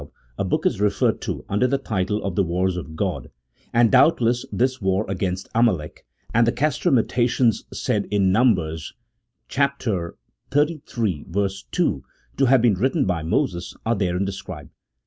12 a book is referred to under the title of the wars of God, and doubt less this war against Amalek and the castrametations said in Numb, xxxiii. 2 to have been written by Moses are therein described.